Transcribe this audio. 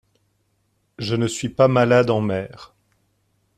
Je ne suis pas malade en mer.